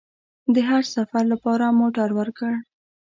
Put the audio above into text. د حج سفر لپاره موټر ورکړ.